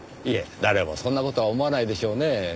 いえ誰もそんな事は思わないでしょうねぇ。